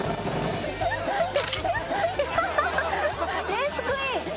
レースクイーン。